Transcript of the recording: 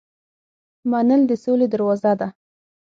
منل د سولې دروازه ده.